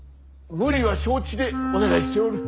無理は承知でお願いしておる。